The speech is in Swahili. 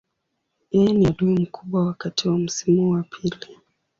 Yeye ni adui mkubwa wakati wa msimu wa pili.